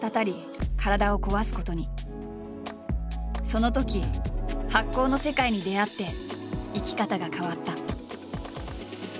そのとき発酵の世界に出会って生き方が変わった。